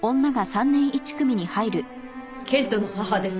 研人の母です。